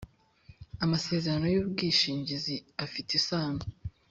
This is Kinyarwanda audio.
amasezerano y ‘ubwishingizi afitanye isano.